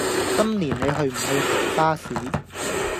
今年你去唔去行花市